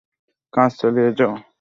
কাজ চালিয়ে যাও!